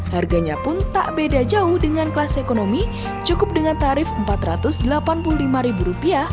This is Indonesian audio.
harganya pun tak beda jauh dengan kelas ekonomi cukup dengan tarif rp empat ratus delapan puluh lima